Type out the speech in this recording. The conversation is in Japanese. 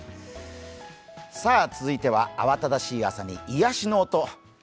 続いてはあわただしい朝に癒やしの音。